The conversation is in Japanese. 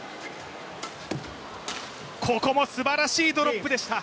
ここもすばらしいドロップでした！